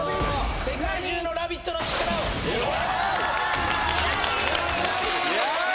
世界中のラヴィットの力をイエーイ！